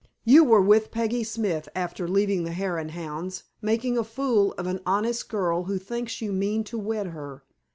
You were with Peggy Smith after leaving the Hare and Hounds, making a fool of an honest girl who thinks you mean to wed her.